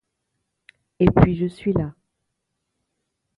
Et puis je suis là!